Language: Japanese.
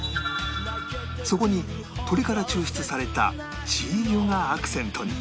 そこに鶏から抽出された鶏油がアクセントに